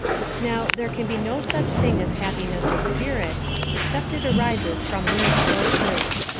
Now, there can be no such thing as happiness of spirit, except it arises from these sources.